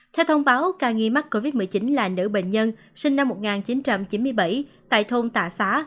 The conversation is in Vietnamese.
theo thông báo ca nghi mắc covid một mươi chín là nữ bệnh nhân sinh năm một nghìn chín trăm chín mươi bảy tại thôn tạ xá